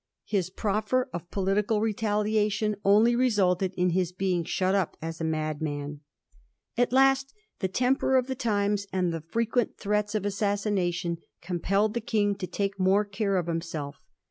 His proffer of political retaliation only resulted in his being shut up as a madman. At last the temper of the times and the frequent threats of assassination compelled the King to take more care of himself.